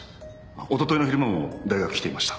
おとといの昼間も大学に来ていました。